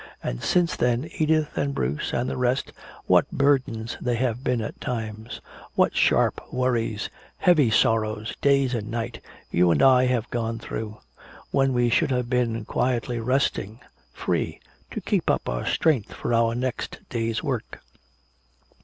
And since then Edith and Bruce and the rest, what burdens they have been at times. What sharp worries, heavy sorrows, days and nights you and I have gone through, when we should have been quietly resting free to keep up our strength for our next day's work.